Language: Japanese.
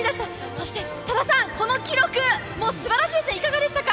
そして多田さん、この記録、もうすばらしいですね、いかがでしたか？